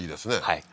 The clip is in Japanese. はい